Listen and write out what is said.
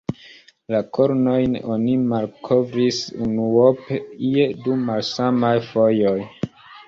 La kornojn oni malkovris unuope je du malsamaj fojoj.